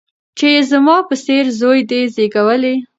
چي یې زما په څېره زوی دی زېږولی